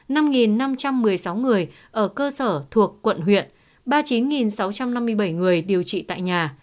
năm năm trăm một mươi sáu người ở cơ sở thuộc quận huyện ba mươi chín sáu trăm năm mươi bảy người điều trị tại nhà